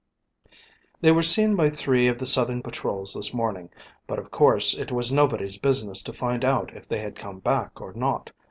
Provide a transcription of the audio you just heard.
"They were seen by three of the southern patrols this morning, but of course it was nobody's business to find out if they had come back or not.